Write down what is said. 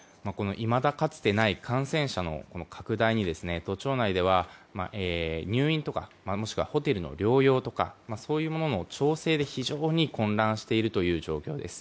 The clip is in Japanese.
いまだかつてない感染者の拡大に都庁内では入院、もしくはホテルの療養とかそういうものの調整で非常に混乱しているという状況です。